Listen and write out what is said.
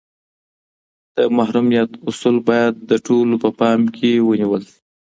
د محرمیت اصول باید د ټولو په پام کي نیول سي.